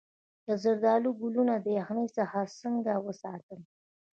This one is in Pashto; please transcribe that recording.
د زردالو ګلونه د یخنۍ څخه څنګه وساتم؟